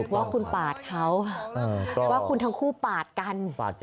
ว่าคุณปาดเขาว่าคุณทั้งคู่ปาดกัน